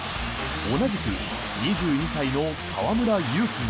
同じく２２歳の河村勇輝が。